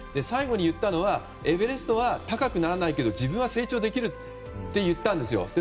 最後に言ったのはエベレストは高くならないけど、自分は成長できるって言ったんですよ。